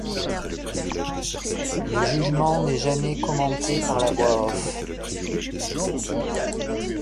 Le jugement n'est jamais commenté par la voix off.